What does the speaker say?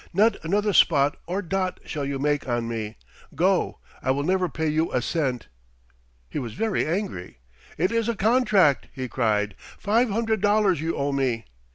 'Not another spot or dot shall you make on me! Go! I will never pay you a cent!' "He was very angry. 'It is a contract!' he cried. 'Five hundred dollars you owe me!'